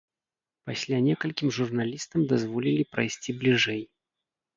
Пасля некалькім журналістам дазволілі прайсці бліжэй.